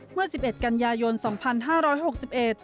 เมื่อ๑๑กัญญายนฝ่ายคารยื่น๒๕๖๑